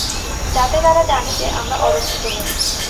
যাতে তারা জানে যে আমরা অরক্ষিত নই।